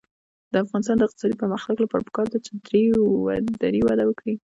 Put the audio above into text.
د افغانستان د اقتصادي پرمختګ لپاره پکار ده چې دري وده وکړي.